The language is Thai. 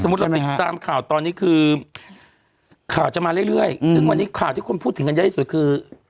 เราติดตามข่าวตอนนี้คือข่าวจะมาเรื่อยซึ่งวันนี้ข่าวที่คนพูดถึงกันเยอะที่สุดคือ